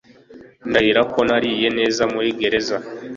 Ndahira ko nariye neza muri gereza